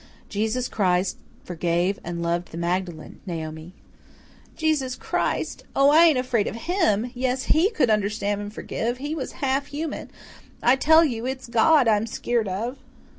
"Jesus Christ forgave and loved the Magdalen, Naomi." "Jesus Christ? Oh, I ain't afraid of HIM. Yes, HE could understand and forgive. He was half human. I tell you, it's God I'm skeered of."